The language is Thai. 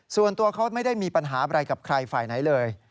ส่วนตัวเขาไม่ได้มีปัญหาอะไรกับใครฝ่ายไหนเลย